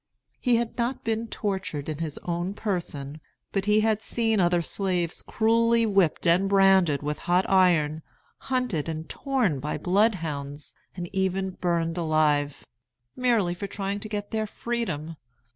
He had not been tortured in his own person, but he had seen other slaves cruelly whipped and branded with hot iron, hunted and torn by bloodhounds, and even burned alive, merely for trying to get their freedom.